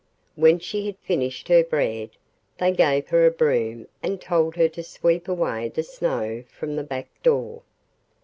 When she had finished her bread they gave her a broom and told her to sweep away the snow from the back door.